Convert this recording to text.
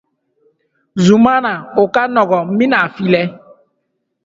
Zumana: O ka nɔgɔ, n bin’a filɛ.